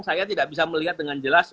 saya tidak bisa melihat dengan jelas